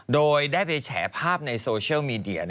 โดยได้ไปแฉภาพในโซเชียลมีเดีย